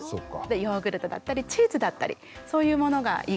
ヨーグルトだったりチーズだったりそういうものがいいかなと思います。